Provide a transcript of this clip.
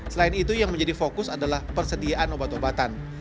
selain itu yang menjadi fokus adalah persediaan obat obatan